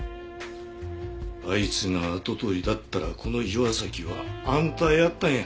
あいつが跡取りだったらこの岩崎は安泰やったんや。